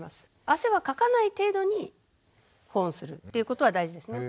汗はかかない程度に保温するということは大事ですね。